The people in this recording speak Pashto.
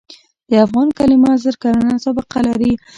د افغان کلمه زر کلنه سابقه لري.